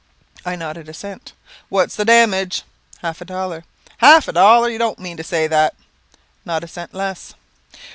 I nodded assent. "What's the damage?" "Half a dollar." "Half a dollar? You don't mean to say that!" "Not a cent less."